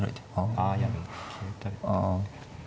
あいやでも桂打たれて。